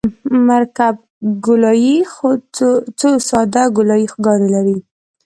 مرکب ګولایي څو ساده ګولایي ګانې لري